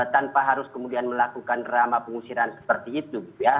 tanpa harus kemudian melakukan drama pengusiran seperti itu ya